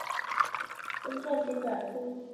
根状茎短而粗。